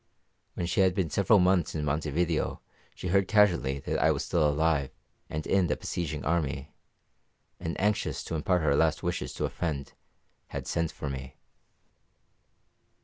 When she had been several months in Montevideo she heard casually that I was still alive and in the besieging army; and, anxious to impart her last wishes to a friend, had sent for me.